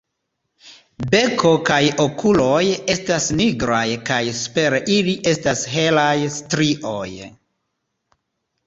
Beko kaj okuloj estas nigraj kaj super ili estas helaj strioj.